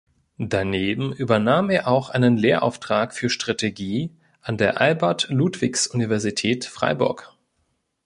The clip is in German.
Daneben übernahm er auch einen Lehrauftrag für Strategie an der Albert-Ludwigs-Universität Freiburg.